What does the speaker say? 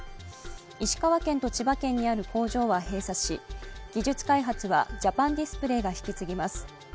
石川県と千葉県にある工場は閉鎖し技術開発はジャパンディスプレイが引き継ぎます。